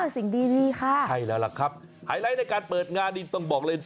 สิ่งดีดีค่ะใช่แล้วล่ะครับไฮไลท์ในการเปิดงานนี่ต้องบอกเลย